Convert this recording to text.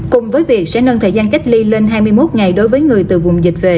cùng với việc sẽ nâng thời gian cách ly lên hai mươi một ngày đối với người từ vùng dịch về